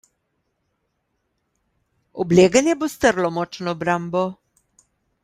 Obleganje bo strlo močno obrambo.